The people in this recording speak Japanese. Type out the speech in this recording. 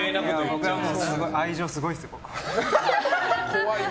愛情、すごいですよ、僕。